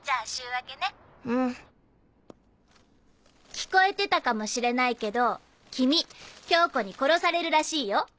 聞こえてたかもしれないけど君恭子に殺されるらしいよ。